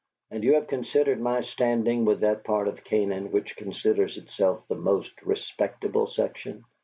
"And you have considered my standing with that part of Canaan which considers itself the most respectable section?"